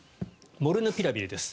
モルヌピラビルです。